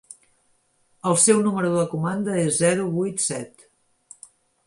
El seu número de comanda és zero vuit set.